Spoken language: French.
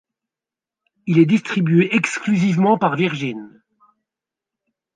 Il est distribué exclusivement par Virgin.